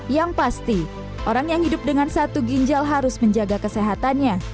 yang pasti orang yang hidup dengan satu ginjal harus menjaga kesehatannya